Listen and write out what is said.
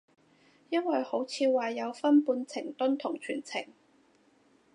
因為好似話有分半程蹲同全程